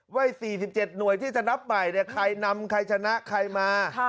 ๔๗หน่วยที่จะนับใหม่ใครนำใครชนะใครมา